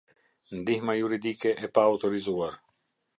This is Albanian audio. Ndihma juridike e paautorizuar.